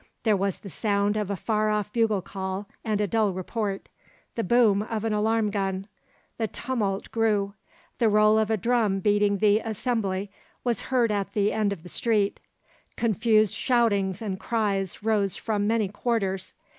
There was the sound of a far off bugle call and a dull report, the boom of an alarm gun. The tumult grew; the roll of a drum beating the assembly was heard at the end of the street; confused shoutings and cries rose from many quarters.